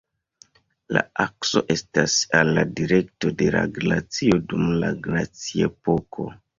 La akso estas al la direkto de la glacio dum la glaciepoko.